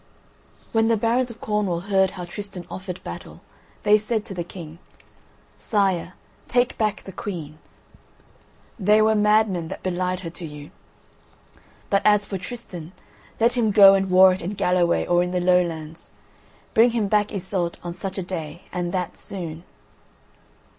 '" When the barons of Cornwall heard how Tristan offered battle, they said to the King: "Sire, take back the Queen. They were madmen that belied her to you. But as for Tristan, let him go and war it in Galloway, or in the Lowlands. Bid him bring back Iseult on such a day and that soon.